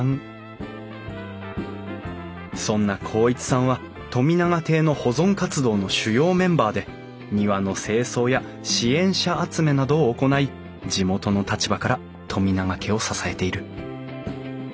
そんな孝一さんは富永邸の保存活動の主要メンバーで庭の清掃や支援者集めなどを行い地元の立場から富永家を支えている。